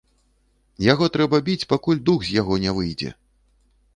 Яго трэба біць, пакуль дух з яго не выйдзе.